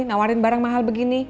nawarin barang mahal begini